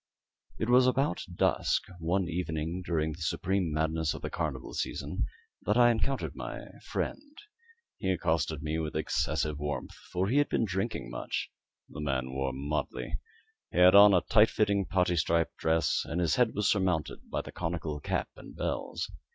It was about dusk, one evening during the supreme madness of the carnival season, that I encountered my friend. He accosted me with excessive warmth, for he had been drinking much. The man wore motley. He had on a tight fitting parti striped dress, and his head was surmounted by the conical cap and bells.